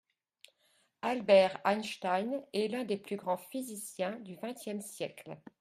Albert Einstein est l’un des plus grands physiciens du vingtième siècle.